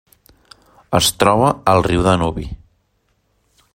Es troba al riu Danubi.